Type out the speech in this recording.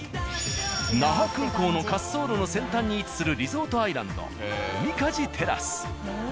那覇空港の滑走路の先端に位置するリゾートアイランド。